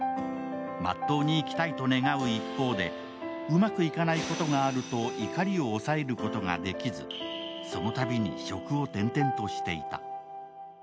まっとうに生きたいと願う一方でうまくいかないことがあると怒りを抑えることができずそのたびに職を転々としていた。